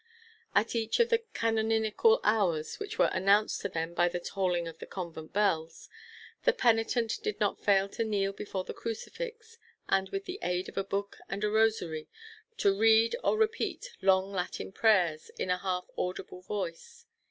At each of the canonical hours (which were announced to them by the tolling of the convent bells), the penitent did not fail to kneel before the crucifix, and, with the aid of a book and a rosary, to read or repeat long Latin prayers, in a half audible voice.